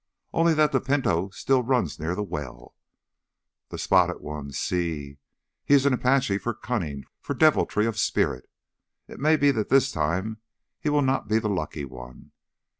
"Only that the pinto still runs near the well." "That spotted one—sí, he is an Apache for cunning, for deviltry of spirit. It may be that this time he will not be the lucky one.